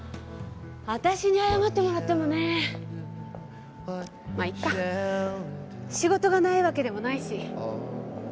私に謝ってもらってもねまあいっか仕事がないわけでもないし